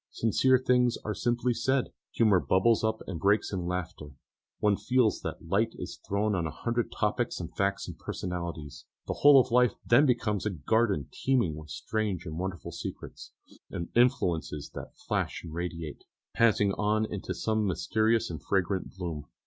Sincere things are simply said, humour bubbles up and breaks in laughter; one feels that light is thrown on a hundred topics and facts and personalities. The whole of life then becomes a garden teeming with strange and wonderful secrets, and influences that flash and radiate, passing on into some mysterious and fragrant gloom.